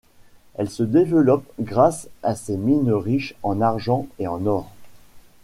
Elle se développe grâce à ses mines riches en argent et en or.